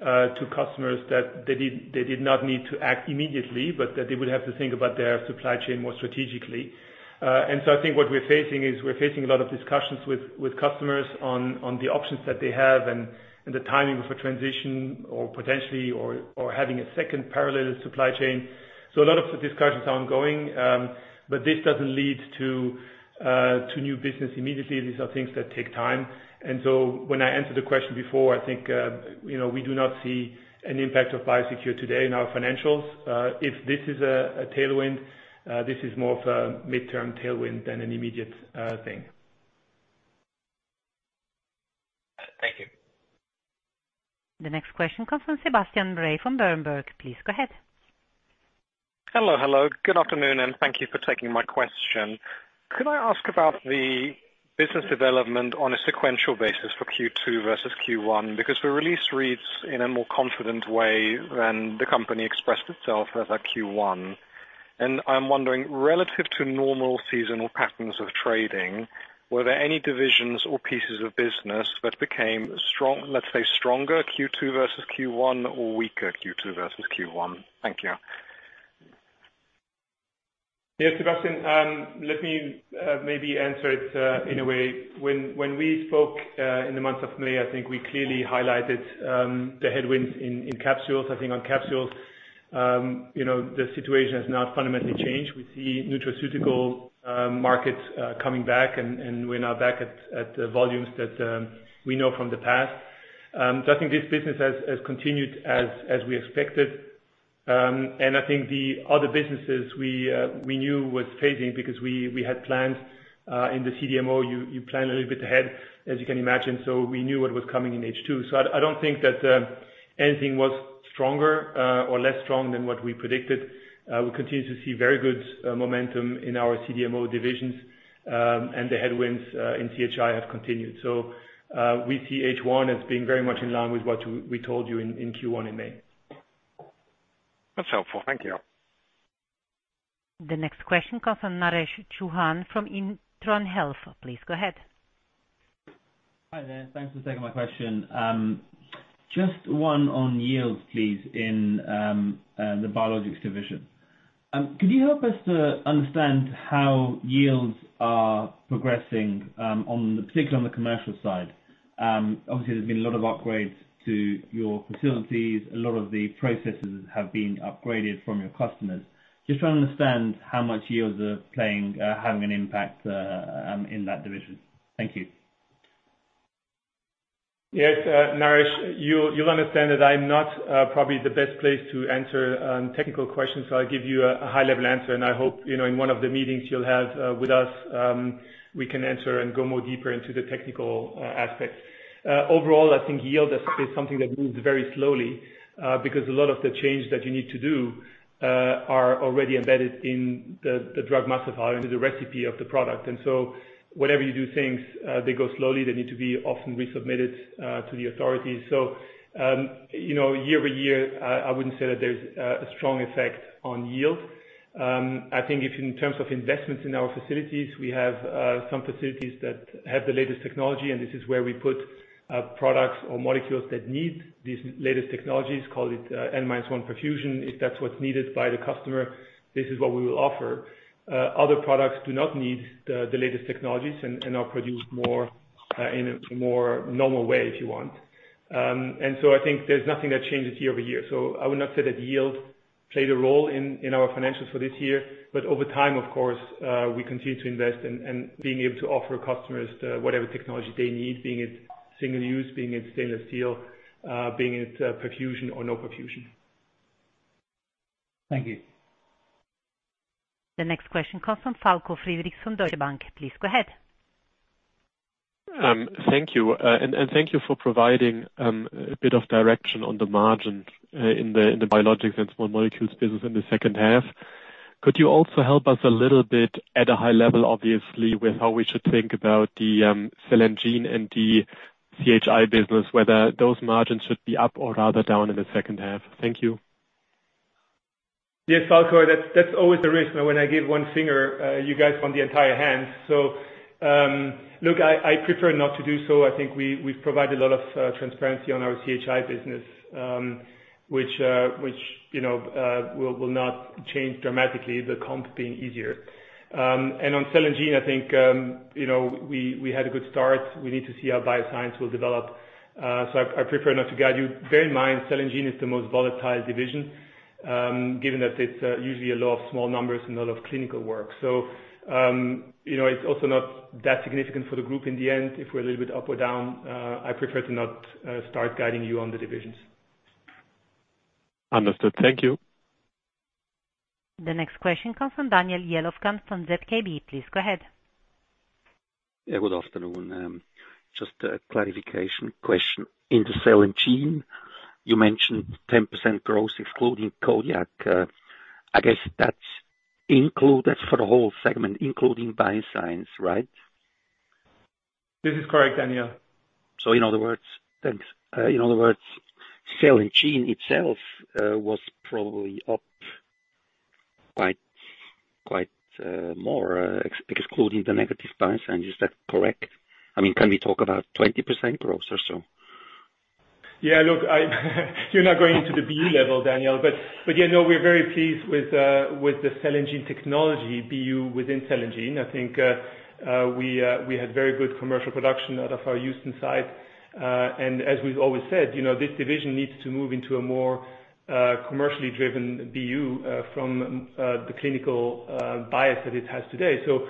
to customers that they did not need to act immediately, but that they would have to think about their supply chain more strategically. And so I think what we're facing is, we're facing a lot of discussions with customers on the options that they have and the timing of a transition or potentially having a second parallel supply chain. So a lot of the discussions are ongoing, but this doesn't lead to new business immediately. These are things that take time. And so when I answered the question before, I think, you know, we do not see an impact of BioSecure today in our financials. If this is a tailwind, this is more of a midterm tailwind than an immediate thing. Thank you. The next question comes from Sebastian Bray from Berenberg. Please, go ahead. Hello, hello. Good afternoon, and thank you for taking my question. Could I ask about the business development on a sequential basis for Q2 versus Q1? Because the release reads in a more confident way than the company expressed itself as at Q1. I'm wondering, relative to normal seasonal patterns of trading, were there any divisions or pieces of business that became strong—let's say, stronger, Q2 versus Q1, or weaker, Q2 versus Q1? Thank you. Yeah, Sebastian, let me maybe answer it in a way. When we spoke in the month of May, I think we clearly highlighted the headwinds in capsules. I think on capsules, you know, the situation has not fundamentally changed. We see nutraceutical markets coming back, and we're now back at the volumes that we know from the past. So I think this business has continued as we expected. And I think the other businesses we knew was fading because we had planned in the CDMO. You plan a little bit ahead, as you can imagine, so we knew what was coming in H2. So I don't think that anything was stronger or less strong than what we predicted. We continue to see very good momentum in our CDMO divisions, and the headwinds in CHI have continued. So, we see H1 as being very much in line with what we told you in Q1 in May. That's helpful. Thank you. The next question comes from Naresh Chouhan from Intron Health. Please go ahead. Hi there. Thanks for taking my question. Just one on yields, please, in the Biologics division. Could you help us to understand how yields are progressing, particularly on the commercial side? Obviously, there's been a lot of upgrades to your facilities, a lot of the processes have been upgraded from your customers. Just want to understand how much yields are playing, having an impact, in that division. Thank you. Yes, Naresh, you'll understand that I'm not probably the best place to answer technical questions, so I'll give you a high-level answer, and I hope, you know, in one of the meetings you'll have with us, we can answer and go more deeper into the technical aspects. Overall, I think yield is something that moves very slowly, because a lot of the change that you need to do are already embedded in the drug master file, into the recipe of the product. And so whatever you do things, they go slowly. They need to be often resubmitted to the authorities. So, you know, year-over-year, I wouldn't say that there's a strong effect on yield. I think if in terms of investments in our facilities, we have some facilities that have the latest technology, and this is where we put products or molecules that need these latest technologies, call it N-1 perfusion. If that's what's needed by the customer, this is what we will offer. Other products do not need the latest technologies and are produced more in a more normal way, if you want. And so I think there's nothing that changes year-over-year. So I would not say that yield played a role in our financials for this year. But over time, of course, we continue to invest and being able to offer customers the whatever technology they need, being it single use, being it stainless steel, being it perfusion or no perfusion. Thank you. The next question comes from Falko Friedrichs from Deutsche Bank. Please go ahead. Thank you. And thank you for providing a bit of direction on the margin in the biologics and small molecules business in the second half. Could you also help us a little bit, at a high level, obviously, with how we should think about the Cell & Gene and the CHI business, whether those margins should be up or rather down in the second half? Thank you. Yes, Falko, that's, that's always the risk. Now, when I give one finger, you guys want the entire hand. So, look, I, I prefer not to do so. I think we, we've provided a lot of transparency on our CHI business, which, which, you know, will, will not change dramatically, the comp being easier. And on Cell & Gene, I think, you know, we, we had a good start. We need to see how Biologics will develop, so I, I prefer not to guide you. Bear in mind, Cell & Gene is the most volatile division, given that it's usually a lot of small numbers and a lot of clinical work. So, you know, it's also not that significant for the group in the end, if we're a little bit up or down. I prefer to not start guiding you on the divisions. Understood. Thank you. The next question comes from Daniel Jelovcan from ZKB. Please go ahead. Yeah, good afternoon. Just a clarification question. In the Cell & Gene, you mentioned 10% growth excluding Kodiak. I guess that's included for the whole segment, including Bioscience, right? This is correct, Daniel. So in other words, thanks, in other words, Cell & Gene itself was probably up quite more excluding the negative Bioscience. Is that correct? I mean, can we talk about 20% growth or so? Yeah, look, I, you're not going into the BU level, Daniel. But, but yeah, no, we're very pleased with, with the Cell & Gene technology, BU within Cell & Gene. I think, we, we had very good commercial production out of our Houston site. And as we've always said, you know, this division needs to move into a more, commercially driven BU, from, the clinical, bias that it has today. So,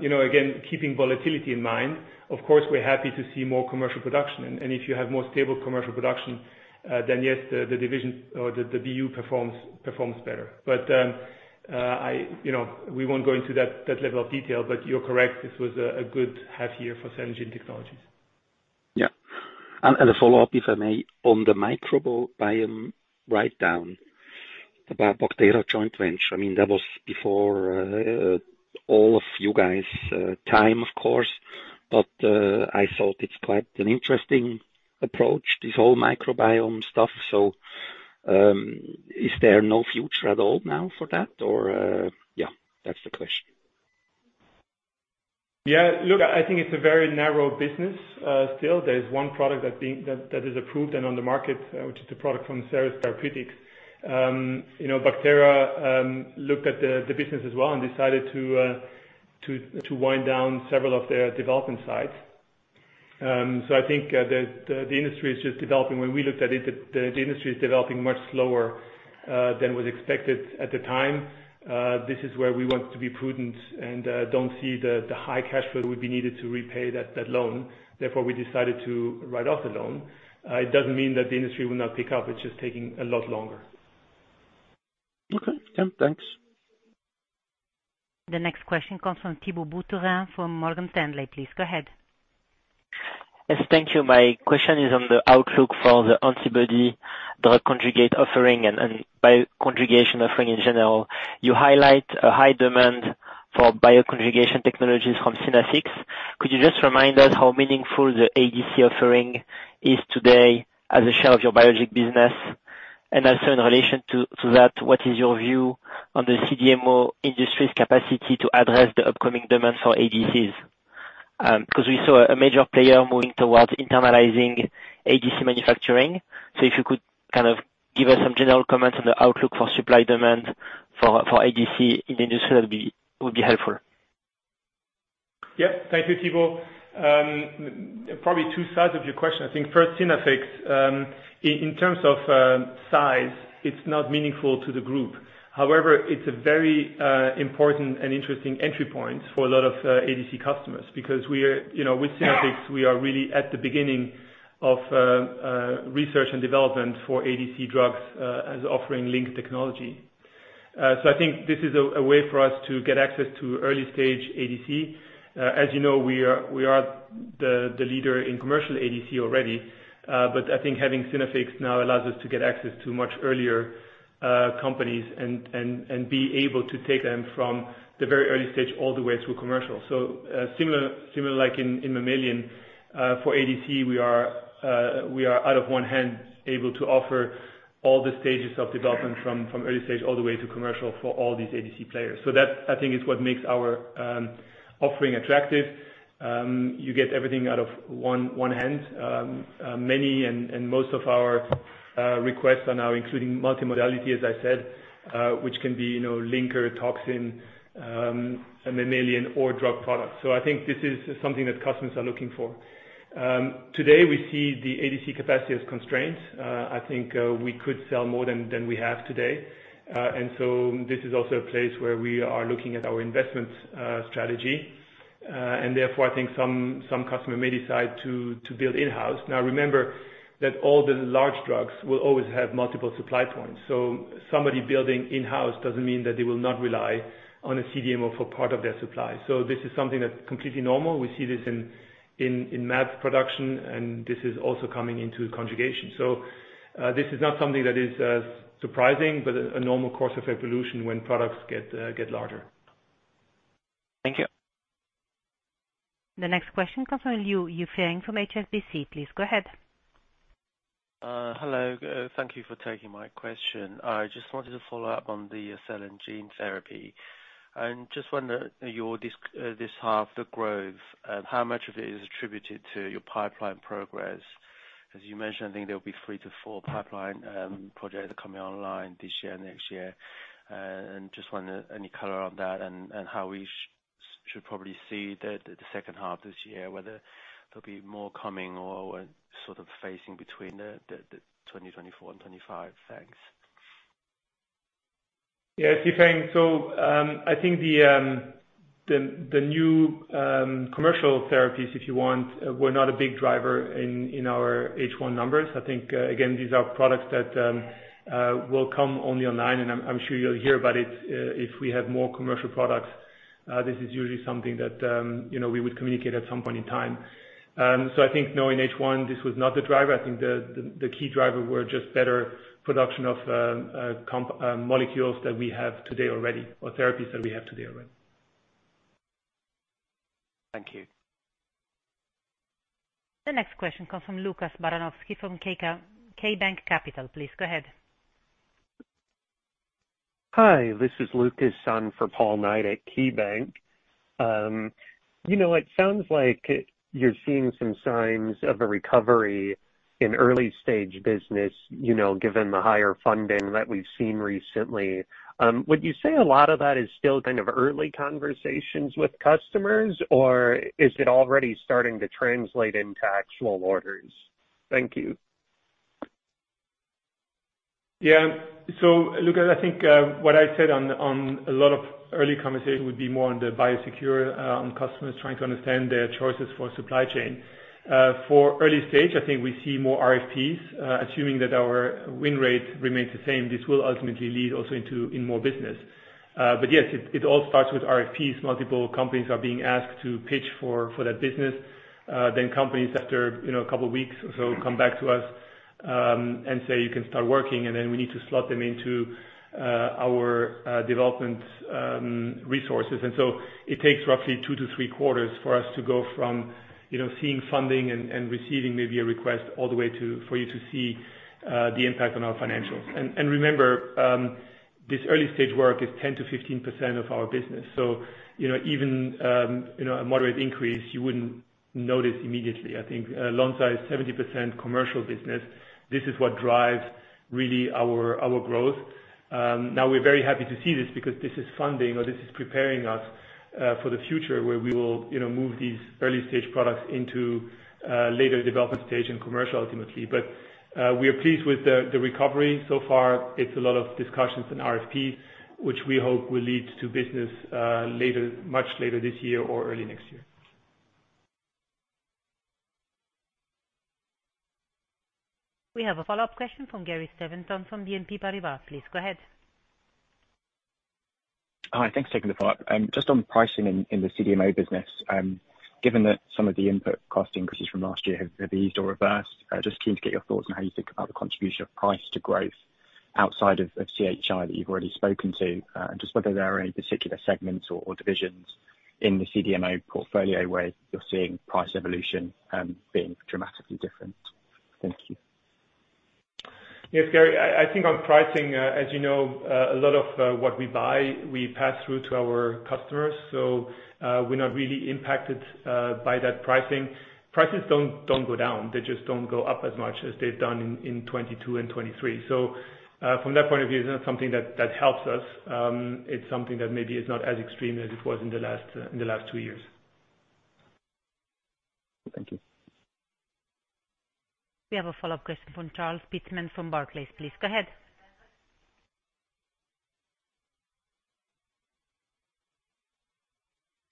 you know, again, keeping volatility in mind, of course, we're happy to see more commercial production. And, and if you have more stable commercial production, then yes, the, the division or the, the BU performs, performs better. But, I... You know, we won't go into that, that level of detail, but you're correct, this was a, a good half year for Cell & Gene technologies. Yeah. And a follow-up, if I may. On the microbiome write-down about Bacthera joint venture. I mean, that was before all of you guys' time, of course, but I thought it's quite an interesting approach, this whole microbiome stuff. So, is there no future at all now for that? Or... Yeah, that's the question. Yeah, look, I think it's a very narrow business. Still there's one product that is approved and on the market, which is the product from Seres Therapeutics. You know, Bacthera looked at the business as well and decided to wind down several of their development sites. So I think the industry is just developing. When we looked at it, the industry is developing much slower than was expected at the time. This is where we want to be prudent and don't see the high cash flow that would be needed to repay that loan. Therefore, we decided to write off the loan. It doesn't mean that the industry will not pick up. It's just taking a lot longer. Okay. Yeah, thanks. The next question comes from Thibault Boutherin from Morgan Stanley. Please, go ahead. Yes, thank you. My question is on the outlook for the antibody drug conjugate offering and, and by conjugation offering in general. You highlight a high demand for bioconjugation technologies from Synaffix. Could you just remind us how meaningful the ADC offering is today as a share of your biologic business? And also, in relation to, to that, what is your view on the CDMO industry's capacity to address the upcoming demand for ADCs? Because we saw a major player moving towards internalizing ADC manufacturing. So if you could kind of give us some general comments on the outlook for supply demand-... for ADC in the industry that would be helpful? Yeah, thank you, Thibault. Probably two sides of your question. I think first Synaffix, in terms of size, it's not meaningful to the group. However, it's a very important and interesting entry point for a lot of ADC customers, because we are, you know, with Synaffix, we are really at the beginning of research and development for ADC drugs, as offering linker technology. So I think this is a way for us to get access to early-stage ADC. As you know, we are the leader in commercial ADC already, but I think having Synaffix now allows us to get access to much earlier companies and be able to take them from the very early stage all the way through commercial. So, similar like in mammalian, for ADC, we are out of one hand able to offer all the stages of development from early stage all the way to commercial for all these ADC players. So that, I think, is what makes our offering attractive. You get everything out of one hand. Many and most of our requests are now including multimodality, as I said, which can be, you know, linker, toxin, a mammalian or drug product. So I think this is something that customers are looking for. Today, we see the ADC capacity as constrained. I think we could sell more than we have today. And so this is also a place where we are looking at our investment strategy. And therefore, I think some customer may decide to build in-house. Now, remember that all the large drugs will always have multiple supply points, so somebody building in-house doesn't mean that they will not rely on a CDMO for part of their supply. So this is something that's completely normal. We see this in mAbs production, and this is also coming into conjugation. So, this is not something that is surprising, but a normal course of evolution when products get larger. Thank you. The next question comes from Yifeng Liu from HSBC. Please go ahead. Hello. Thank you for taking my question. I just wanted to follow up on the Cell & Gene therapy, and just wonder your this half, the growth, how much of it is attributed to your pipeline progress? As you mentioned, I think there will be three to four pipeline projects coming online this year, next year. And just wonder, any color on that and, and how we should probably see the, the second half this year, whether there'll be more coming or sort of phasing between the, the, the 2024 and 2025. Thanks. Yes, Yifeng. So, I think the new commercial therapies, if you want, were not a big driver in our H1 numbers. I think, again, these are products that will come only online, and I'm sure you'll hear about it if we have more commercial products. This is usually something that, you know, we would communicate at some point in time. So, I think knowing H1, this was not the driver. I think the key driver were just better production of molecules that we have today already, or therapies that we have today already. Thank you. The next question comes from Lucas Baranowski, from KeyBanc Capital. Please go ahead. Hi, this is Lukas on for Paul Knight at KeyBanc. You know, it sounds like you're seeing some signs of a recovery in early-stage business, you know, given the higher funding that we've seen recently. Would you say a lot of that is still kind of early conversations with customers, or is it already starting to translate into actual orders? Thank you. Yeah. So Lucas, I think what I said on a lot of early conversations would be more on the BioSecure, customers trying to understand their choices for supply chain. For early stage, I think we see more RFPs. Assuming that our win rate remains the same, this will ultimately lead also into in more business. But yes, it all starts with RFPs. Multiple companies are being asked to pitch for that business, then companies after you know a couple of weeks so come back to us and say, "You can start working," and then we need to slot them into our development resources. And so it takes roughly two to three quarters for us to go from you know seeing funding and receiving maybe a request all the way to... for you to see, the impact on our financials. And remember, this early-stage work is 10%-15% of our business. So, you know, even, you know, a moderate increase, you wouldn't notice immediately. I think, alongside 70% commercial business, this is what drives really our growth. Now we're very happy to see this because this is funding or this is preparing us, for the future, where we will, you know, move these early-stage products into, later development stage and commercial ultimately. But, we are pleased with the recovery so far. It's a lot of discussions in RFP, which we hope will lead to business, later, much later this year or early next year. We have a follow-up question from Gary Steventon from BNP Paribas. Please go ahead. Hi, thanks for taking the call. Just on pricing in the CDMO business, given that some of the input cost increases from last year have eased or reversed, just keen to get your thoughts on how you think about the contribution of price to growth outside of CHI that you've already spoken to, just whether there are any particular segments or divisions in the CDMO portfolio where you're seeing price evolution being dramatically different? Thank you. Yes, Gary. I think on pricing, as you know, a lot of what we buy, we pass through to our customers, so, we're not really impacted by that pricing. Prices don't go down, they just don't go up as much as they've done in 2022 and 2023. So, from that point of view, it's not something that helps us. It's something that maybe is not as extreme as it was in the last two years. Thank you. We have a follow-up question from Charles Pitman-King from Barclays. Please, go ahead.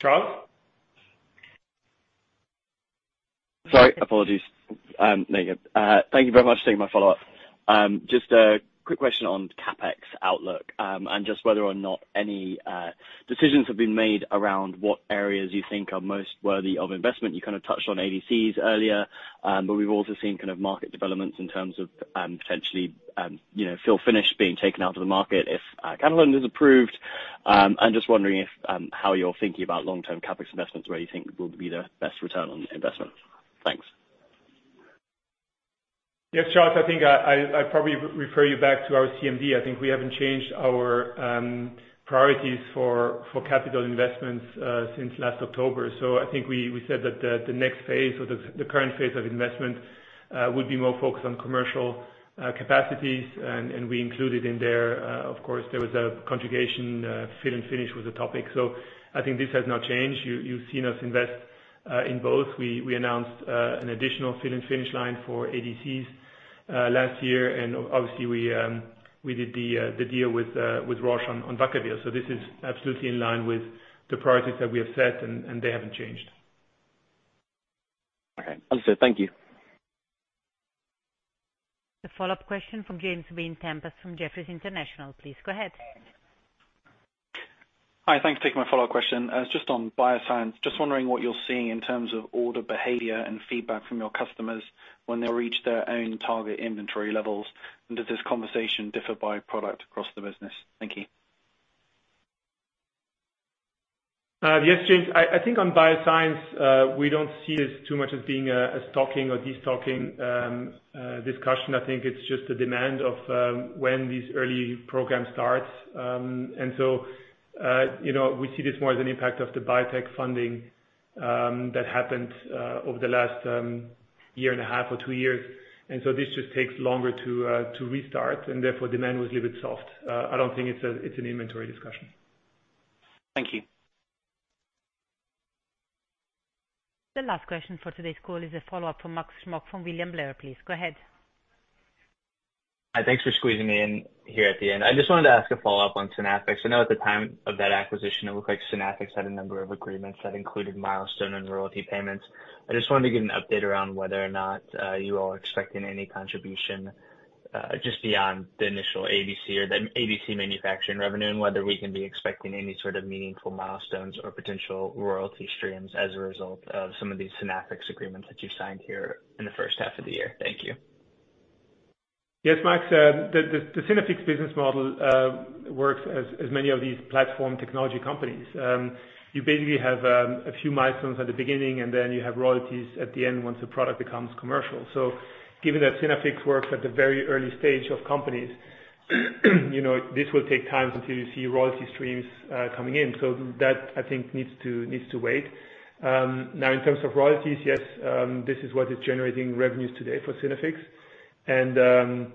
Charles? Sorry, apologies, Megan. Thank you very much for taking my follow-up. Just a quick question on CapEx outlook, and just whether or not any decisions have been made around what areas you think are most worthy of investment. You kind of touched on ADCs earlier, but we've also seen kind of market developments in terms of, potentially, you know, fill finish being taken out of the market if Catalent is approved. I'm just wondering if how you're thinking about long-term CapEx investments, where you think will be the best return on the investment? Thanks. Yes, Charles, I think I'd probably refer you back to our CMD. I think we haven't changed our priorities for capital investments since last October. So I think we said that the next phase or the current phase of investment would be more focused on commercial capacities. And we included in there, of course, there was a conjugation, fill and finish was a topic, so I think this has not changed. You've seen us invest in both. We announced an additional fill and finish line for ADCs last year, and obviously we did the deal with Roche on Bacthera. So this is absolutely in line with the priorities that we have set, and they haven't changed. Okay. Understood. Thank you. The follow-up question from James Vane-Tempest from Jefferies International. Please go ahead. Hi, thanks for taking my follow-up question. Just on Bioscience, just wondering what you're seeing in terms of order behavior and feedback from your customers when they reach their own target inventory levels. Does this conversation differ by product across the business? Thank you. Yes, James. I think on Bioscience, we don't see it as too much as being a stocking or destocking discussion. I think it's just the demand of when these early programs start. And so, you know, we see this more as an impact of the biotech funding that happened over the last year and a half or two years. And so this just takes longer to restart, and therefore, demand was a little bit soft. I don't think it's an inventory discussion. Thank you. The last question for today's call is a follow-up from Max Smock, from William Blair. Please go ahead. Hi, thanks for squeezing me in here at the end. I just wanted to ask a follow-up on Synaffix. I know at the time of that acquisition, it looked like Synaffix had a number of agreements that included milestone and royalty payments. I just wanted to get an update around whether or not, you all are expecting any contribution, just beyond the initial ADC or the ADC manufacturing revenue, and whether we can be expecting any sort of meaningful milestones or potential royalty streams as a result of some of these Synaffix agreements that you've signed here in the first half of the year. Thank you. Yes, Max, the Synaffix business model works as many of these platform technology companies. You basically have a few milestones at the beginning, and then you have royalties at the end once the product becomes commercial. So given that Synaffix works at the very early stage of companies, you know, this will take time until you see royalty streams coming in. So that, I think, needs to wait. Now, in terms of royalties, yes, this is what is generating revenues today for Synaffix. And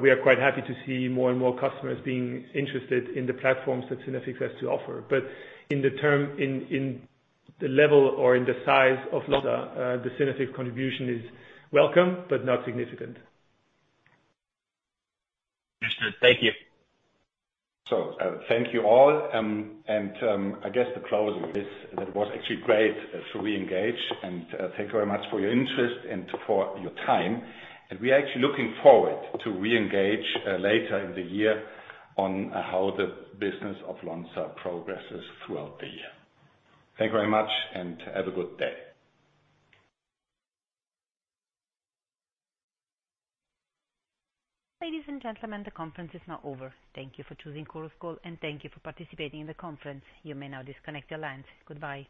we are quite happy to see more and more customers being interested in the platforms that Synaffix has to offer. But in the term, in the level or in the size of Lonza, the Synaffix contribution is welcome, but not significant. Understood. Thank you. So, thank you all. And, I guess to close with, it was actually great to re-engage, and thank you very much for your interest and for your time. And we are actually looking forward to re-engage later in the year on how the business of Lonza progresses throughout the year. Thank you very much, and have a good day. Ladies and gentlemen, the conference is now over. Thank you for choosing Chorus Call, and thank you for participating in the conference. You may now disconnect your lines. Goodbye.